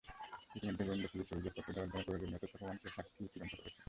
ইতিমধ্যে গোয়েন্দা পুলিশ অভিযোগপত্র দেওয়ার জন্য প্রয়োজনীয় তথ্য-প্রমাণ, সাক্ষী চূড়ান্ত করেছে।